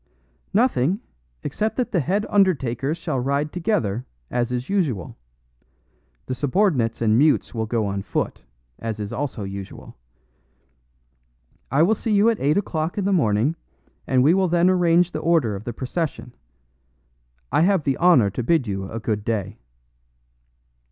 "Nothing, except that the head undertakers shall ride together, as is usual. The subordinates and mutes will go on foot, as is also usual. I will see you at eight o'clock in the morning, and we will then arrange the order of the procession. I have the honor to bid you a good day."